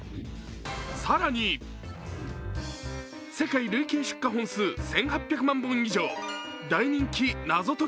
更に世界累計出荷本数１８００万本以上、大人気謎解き